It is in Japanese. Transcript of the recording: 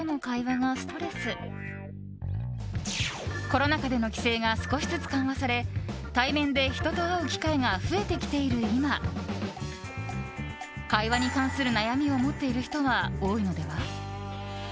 コロナ禍での規制が少しずつ緩和され対面で人と会う機会が増えてきている今会話に関する悩みを持っている人は多いのでは？